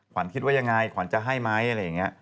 ขวัญคิดว่ายังไงขวัญจะให้ไหมอะไรอย่างนี้